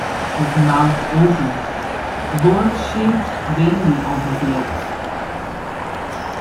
His mouth opened; words shaped vainly on his lips.